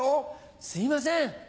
すいません。